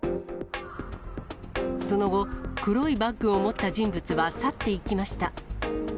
その後、黒いバッグを持った人物は去っていきました。